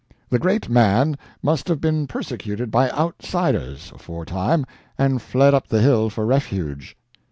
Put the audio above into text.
The great man must have been persecuted by outsiders aforetime, and fled up the hill for refuge.